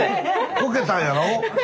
こけたんやろ？